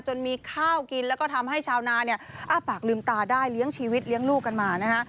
มีข้าวกินแล้วก็ทำให้ชาวนาเนี่ยอ้าปากลืมตาได้เลี้ยงชีวิตเลี้ยงลูกกันมานะฮะ